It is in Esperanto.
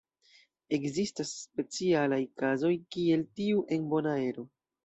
Ekzistas specialaj kazoj kiel tiu en Bonaero.